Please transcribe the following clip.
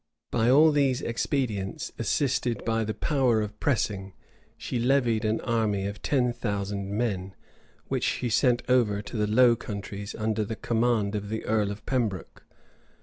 By all these expedients, assisted by the power of pressing, she levied an army of ten thousand men, which she sent over to the Low Countries, under the command of the earl of Pembroke.